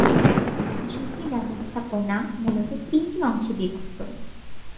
ঝুঁকি ব্যবস্থাপনা মূলত তিনটি অংশে বিভক্ত।